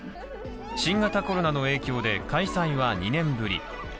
新型コロナの影響で開催は２年ぶり。